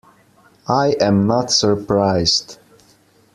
I am not surprised.